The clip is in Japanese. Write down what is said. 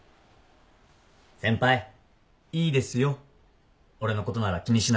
先輩いいですよ俺のことなら気にしなくても。